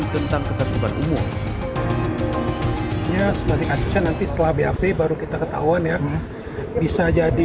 dua ribu tujuh tentang keterkeban umum ya setelah dikasih nanti setelah bap baru kita ketahuan ya bisa jadi